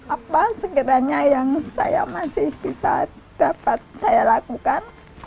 apa sekiranya yang saya masih bisa dapat saya lakukan